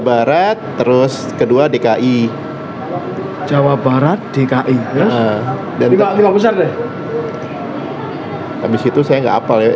betapa juga kita bisa bisa fi satu nya nih loh